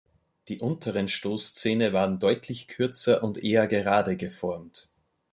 Die unteren Stoßzähne waren deutlich kürzer und eher gerade geformt.